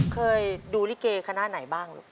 เคยดูลิเกย์ขนาดไหนบ้างลูก